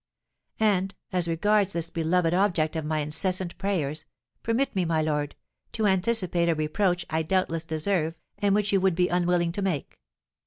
And, as regards this beloved object of my incessant prayers, permit me, my lord, to anticipate a reproach I doubtless deserve, and which you would be unwilling to make.